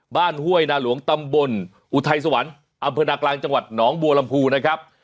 ห้วยนาหลวงตำบลอุทัยสวรรค์อำเภอนากลางจังหวัดหนองบัวลำพูนะครับ